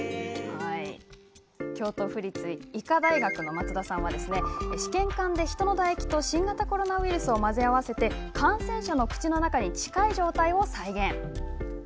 松田さんは試験管でヒトの唾液と新型コロナウイルスを混ぜ合わせ感染者の口の中に近い状態を再現。